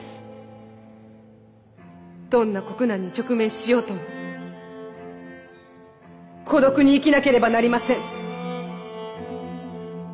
どんな国難に直面しようとも孤独に生きなければなりません。